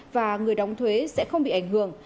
và người đóng thuế sẽ không bị ảnh hưởng